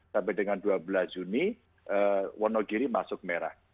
sampai dengan dua belas juni wonogiri masuk merah